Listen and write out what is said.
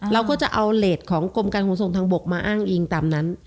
เราก็จะเอาเลสของกรมการขนส่งทางบกมาอ้างอิงตามนั้น